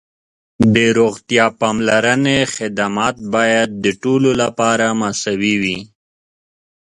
د روغتیا پاملرنې خدمات باید د ټولو لپاره مساوي وي.